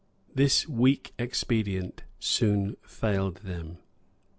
This weak expedient soon failed them.